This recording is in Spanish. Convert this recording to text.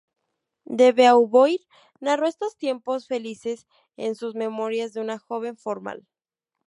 De Beauvoir narró estos tiempos felices en sus "Memorias de una joven formal".